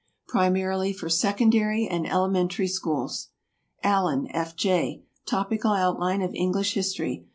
Primarily for Secondary and Elementary Schools. ALLEN, F. J. "Topical Outline of English History."